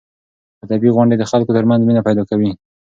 ادبي غونډې د خلکو ترمنځ مینه پیدا کوي.